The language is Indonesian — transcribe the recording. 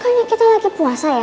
kayaknya kita lagi puasa ya